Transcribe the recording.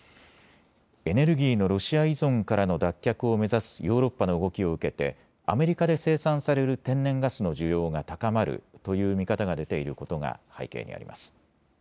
エネルギーのロシア依存からの脱却を目指すヨーロッパの動きを受けてアメリカで生産される天然ガスの需要が高まるという見方が出ていることが背景にあります。